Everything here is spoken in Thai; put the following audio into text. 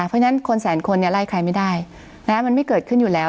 เพราะฉะนั้นคนแสนคนไล่ใครไม่ได้มันไม่เกิดขึ้นอยู่แล้ว